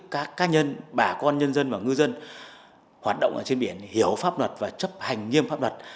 các cá nhân bà con nhân dân và ngư dân hoạt động ở trên biển hiểu pháp luật và chấp hành nghiêm pháp luật